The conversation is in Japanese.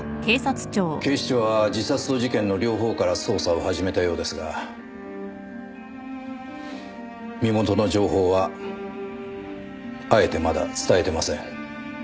警視庁は自殺と事件の両方から捜査を始めたようですが身元の情報はあえてまだ伝えてません。